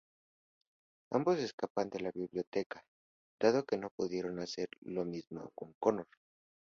Ambos escapan de la biblioteca, dado que no pudieron hacer lo mismo con Connor.